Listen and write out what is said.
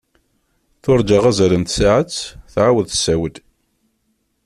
Turǧa azal n tsaɛet tɛawed tessawel.